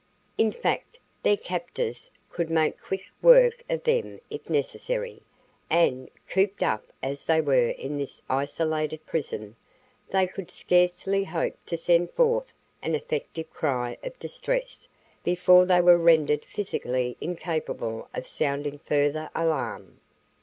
In fact their captors could make quick work of them if necessary, and, cooped up as they were in this isolated prison, they could scarcely hope to send forth an effective cry of distress before they were rendered physically incapable of sounding further alarm.